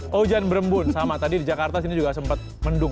hujan berembun sama tadi di jakarta sini juga sempat mendung